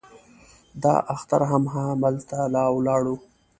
دا اختر هم هلته ولاړو.